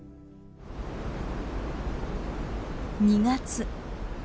２月。